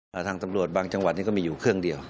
ทางตำรวจบางจังหวัดนี่ก็มีอยู่เครื่องเดียว